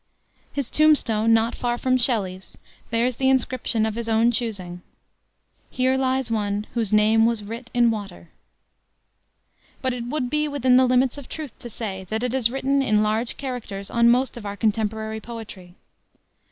His tombstone, not far from Shelley's, bears the inscription of his own choosing: "Here lies one whose name was writ in water." But it would be within the limits of truth to say that it is written in large characters on most of our contemporary poetry.